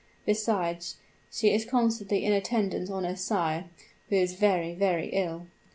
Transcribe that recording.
Besides she is constantly in attendance on her sire, who is very, very ill.